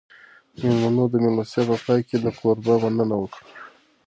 مېلمنو د مېلمستیا په پای کې له کوربه مننه وکړه.